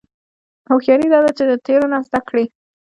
هوښیاري دا ده چې د تېرو نه زده کړې.